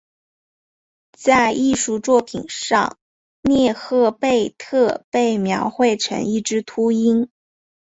在艺术作品上涅赫贝特被描绘成一只秃鹰。